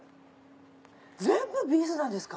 全部ビーズなんですか？